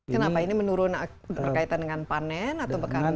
kenapa ini menurun berkaitan dengan panen atau karena petani